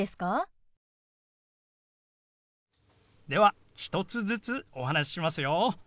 では１つずつお話ししますよ。